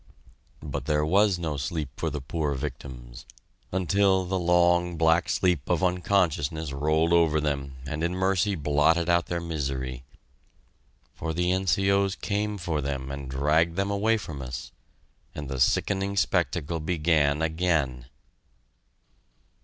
But there was no sleep for the poor victims until the long, black sleep of unconsciousness rolled over them and in mercy blotted out their misery for the N.C.O.'s came for them and dragged them away from us, and the sickening spectacle began again.